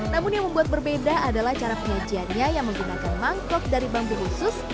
namun yang membuat berbeda adalah cara penyajiannya yang menggunakan mangkok dari bambu khusus